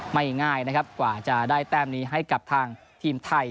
ง่ายนะครับกว่าจะได้แต้มนี้ให้กับทางทีมไทย